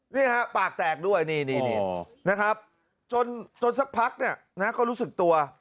นี่ฮะปากแตกด้วยนี่นะครับจนสักพักเนี่ยนะก็รู้สึกตัว